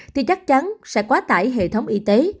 thì chắc chắn sẽ quá tải hệ thống y tế